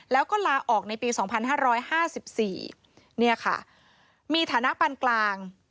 แล้วก็ลาออกในปี๒๕๕๔เนี่ยค่ะมีฐานะปันกลาง